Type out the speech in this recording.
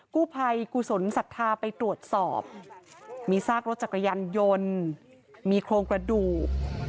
กู้ภัยกุศลศรัทธาไปตรวจสอบมีซากรถจักรยานยนต์มีโครงกระดูก